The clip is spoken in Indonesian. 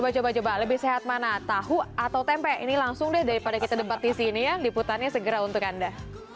coba coba lebih sehat mana tahu atau tempe ini langsung deh daripada kita debat di sini ya liputannya segera untuk anda